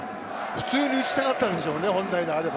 普通に打ちたかったでしょうね、本来であれば。